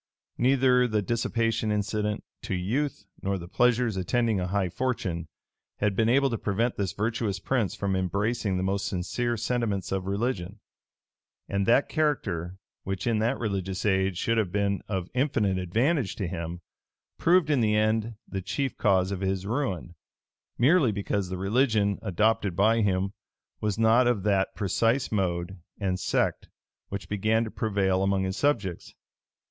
Neither the dissipation incident to youth, nor the pleasures attending a high fortune, had been able to prevent this virtuous prince from embracing the most sincere sentiments of religion: and that character, which in that religious age should have been of infinite advantage to him, proved in the end the chief cause of his ruin; merely because the religion adopted by him was not of that precise mode and sect which began to prevail among his subjects.